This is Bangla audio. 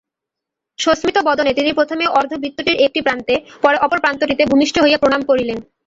সস্মিতবদনে তিনি প্রথমে অর্ধবৃত্তটির এক প্রান্তে, পরে অপর প্রান্তটিতে ভূমিষ্ঠ হইয়া প্রণাম করিলেন।